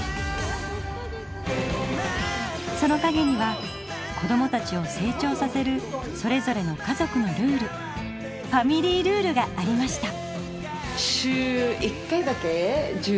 そのかげには子どもたちを成長させるそれぞれの家族のルールファミリールールがありました！